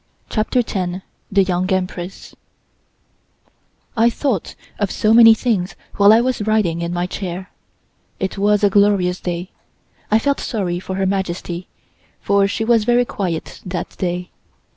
CHAPTER TEN THE YOUNG EMPRESS I THOUGHT of so many things while I was riding in my chair. It was a glorious day. I felt sorry for Her Majesty, for she was very quiet that day.